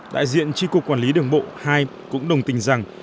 đại diện tri cục quản lý đường bộ hai cũng đồng tình rằng